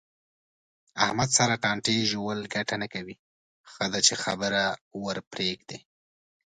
احمد سره ټانټې ژول گټه نه کوي. ښه ده چې خبره ورپرېږدې.